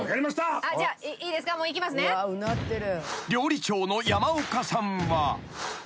［料理長の山岡さんは］